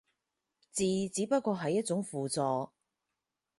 字只不過係一個輔助